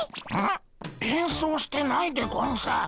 ん？変装してないでゴンス。